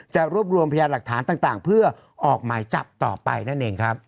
จะรวบรวมพยานหลักฐานต่างเพื่อออกหมายจับต่อไปนั่นเองครับ